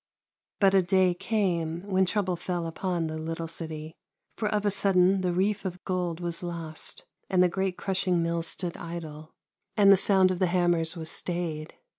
But a day came when trouble fell upon the little city, for of a sudden the reef of gold was lost, and the great crushing mills stood idle, and the sound of the hammers was stayed.